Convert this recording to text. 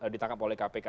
ditangkap oleh kpk